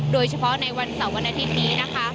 โดยเฉพาะในวันเสาร์วันอาทิตย์นี้นะคะ